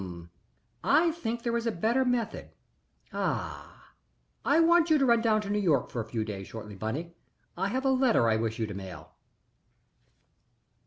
I think there is a better method. Ah I want you to run down to New York for a few days shortly, Bunny. I have a letter I wish you to mail."